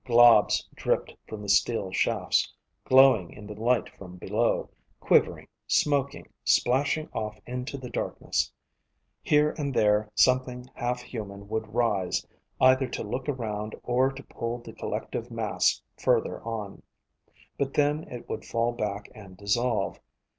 Globs dripped from the steel shafts, glowing in the light from below, quivering, smoking, splashing off into the darkness. Here and there something half human would rise either to look around or to pull the collective mass further on, but then it would fall back and dissolve.